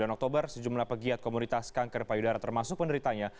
sembilan oktober sejumlah pegiat komunitas kanker payudara termasuk penderitanya